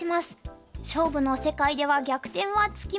勝負の世界では逆転はつきもの。